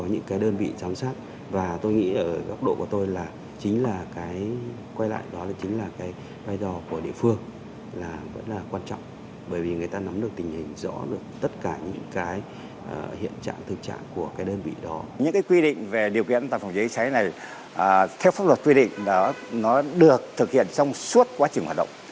những quy định về điều kiện phòng cháy chữa cháy này theo pháp luật quy định được thực hiện trong suốt quá trình hoạt động